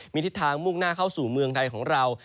มีทิศทางมุ่งหน้าเข้าสู่เมืองไทยของเรา